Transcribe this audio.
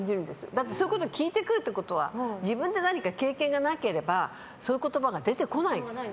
だって、そういうことを聞いてくるってことは自分で何か経験がなければそういう言葉が出てこないです。